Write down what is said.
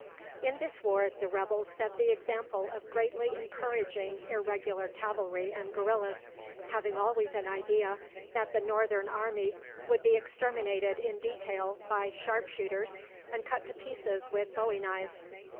In this war the rebels set the example of greatly encouraging irregular cavalry and guerillas, having always an idea that the Northern army would be exterminated in detail by sharp shooters, and cut to pieces with bowie knives.